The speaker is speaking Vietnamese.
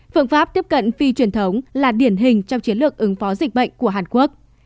phương pháp tiếp cận phi truyền thống là điển hình trong chiến lược ứng phó dịch bệnh của hàn quốc